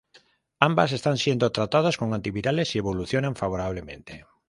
Ambas están siendo tratadas con antivirales y evolucionan favorablemente.